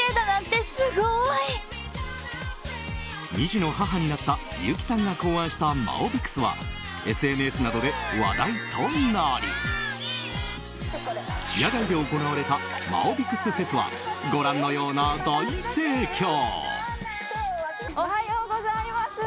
２児の母になった優木さんが考案したマオビクスはＳＮＳなどで話題となり野外で行われたマオビクスフェスはご覧のような大盛況。